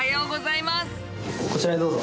こちらへどうぞ。